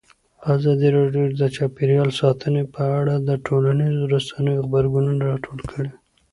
ازادي راډیو د چاپیریال ساتنه په اړه د ټولنیزو رسنیو غبرګونونه راټول کړي.